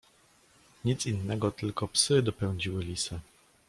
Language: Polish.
"Nic innego, tylko psy dopędziły lisa."